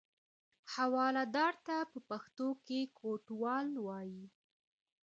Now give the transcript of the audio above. حوالهدار ته په پښتو کې کوټوال وایي.